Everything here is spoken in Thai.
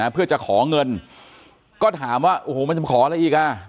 เพื่อจะขอเงินก็ถามว่าโอ้โหมันจะมาขออะไรอีกอ่ะ